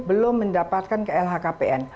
belum mendapatkan ke lhkpn